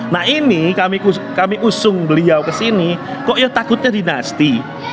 nah ini kami kami usung beliau kesini kok ya takutnya dinasti